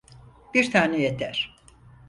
Bir tane yeter.